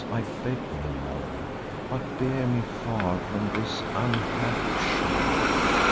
I beg no more; But bear me far from this unhappy shore.